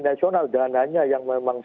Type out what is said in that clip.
nasional dananya yang memang